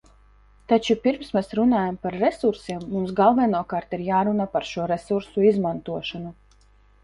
Taču, pirms mēs runājam par resursiem, mums galvenokārt ir jārunā par šo resursu izmantošanu.